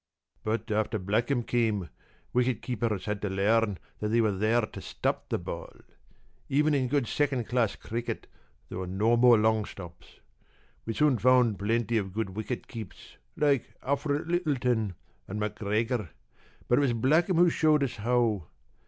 p> "But after Blackham came wicket keepers had to learn that they were there to stop the ball. Even in good second class cricket there were no more long stops. We soon found plenty of good wicket keeps like Alfred Lyttelton and MacGregor but it was Blackham who showed us how.